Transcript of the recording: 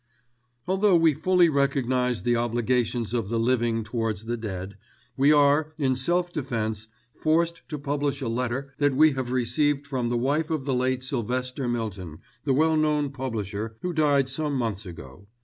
"Although we fully recognise the obligations of the living towards the dead, we are, in self defence, forced to publish a letter that we have received from the wife of the late Sylvester Mylton, the well known publisher, who died some months ago.